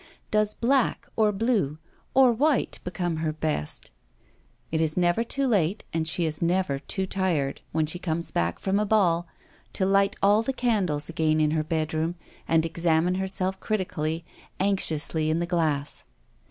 Does black, or blue, or white become her best ? It is never too late, and she is never too tired when she comes back from a ball, to light all the candles again in her bedroom and examine herself critically, anxiously, in the glass.